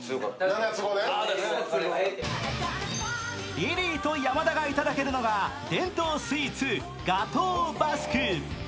リリーと山田がいただけるのが、伝統スイーツ、ガトーバスク。